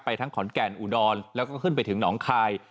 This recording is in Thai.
ทั้งขอนแก่นอุดรแล้วก็ขึ้นไปถึงหนองคาย